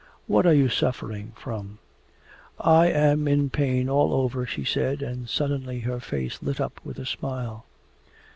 'What are you suffering from?' 'I am in pain all over,' she said, and suddenly her face lit up with a smile.